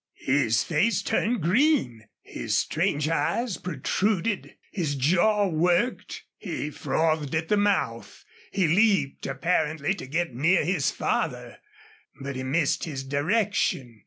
His face turned green. His strange eyes protruded. His jaw worked. He frothed at the mouth. He leaped, apparently to get near his father, but he missed his direction.